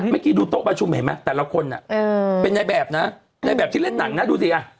เมื่อกี้ดูโต๊ะประชุมเห็นไหมแต่ละคนเป็นในแบบนะในแบบที่เล่นหนังนะดูสิอ่ะ